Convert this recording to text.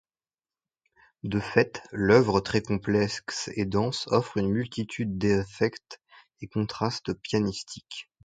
De fait, l'œuvre, très complexe et dense, offre une multitude d'affects et contrastes pianistiques.